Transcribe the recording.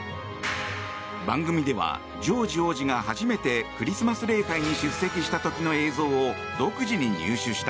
番組ではジョージ王子が初めてクリスマス礼拝に出席した時の映像を独自に入手した。